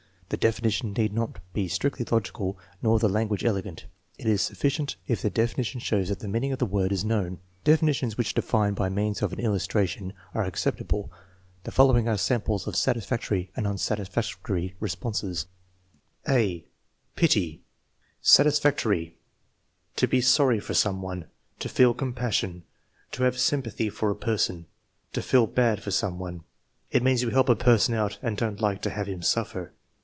The definition need not be strictly logical nor the language elegant. It is sufficient if the defi nition shows that the meaning of the word is known. Defi nitions which define by means of an illustration are ac ceptable. The following are samples of satisfactory and unsatisfactory responses: i See VIII, 6. 282 THE MEASUREMENT OF INTELLIGENCE (a) Pity Satisfactory. "To be sorry for some one." "To feel compassion." "To have sympathy for a person." "To feel bad for some one." "It means you help a person out and don't like to have him suffer."